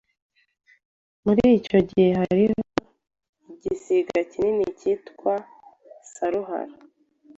Muri icyo gihe hariho igisiga kinini kikitwa Saruhara